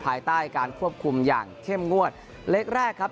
ภายใต้การควบคุมอย่างเข้มงวดเล็กแรกครับ